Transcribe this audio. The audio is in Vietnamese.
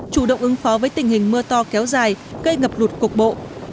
chủ động ứng phó với tình hình mưa to kéo dài gây ngập lụt cục bộ